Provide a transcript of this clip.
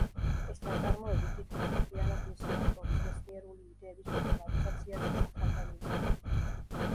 ეს ნაწარმოები თითქმის მთლიანად მისი ავტორის მეცნიერული იდეების პოპულარიზაციას ისახავდა მიზნად.